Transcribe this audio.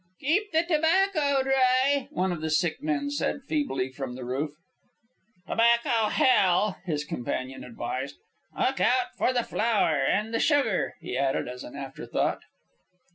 "Keep the tobacco dry," one of the sick men said feebly from the roof. "Tobacco, hell!" his companion advised. "Look out for the flour. And the sugar," he added, as an afterthought.